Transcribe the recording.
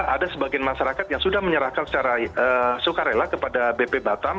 ada sebagian masyarakat yang sudah menyerahkan secara sukarela kepada bp batam